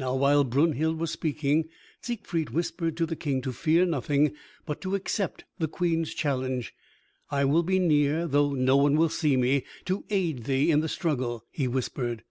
Now while Brunhild was speaking, Siegfried whispered to the King to fear nothing, but to accept the Queen's challenge. "I will be near though no one will see me, to aid thee in the struggle," he whispered.